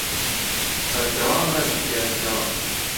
بەردەوام بە لە خوێندنەوە.